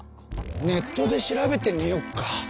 ネットで調べてみよっか。